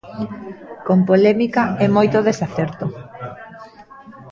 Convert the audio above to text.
Con polémica e moito desacerto.